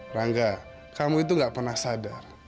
rangga kamu itu gak pernah sadar